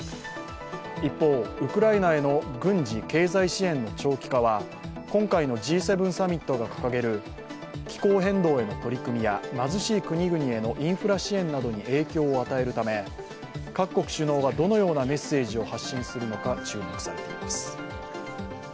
一方、ウクライナへの軍事・経済支援の長期化は今回のＧ７サミットが掲げる気候変動への取り組みや貧しい国々へのインフラ支援に影響を与えるため、各国首脳がどのようなメッセージを発信するのか注目されています。